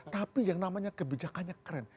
tapi yang namanya kebijakannya keren